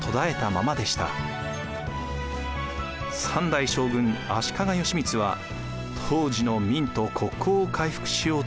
３代将軍足利義満は当時の明と国交を回復しようとします。